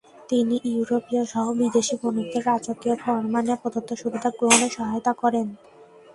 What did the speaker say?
তিনি ইউরোপীয়সহ বিদেশি বণিকদের রাজকীয় ফরমানে প্রদত্ত সুবিধা গ্রহণে সহায়তা করেন।